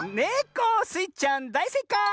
スイちゃんだいせいかい！